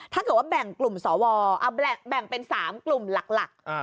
ถ้าเกิดแบ่งเป็น๓กลุ่มหลัก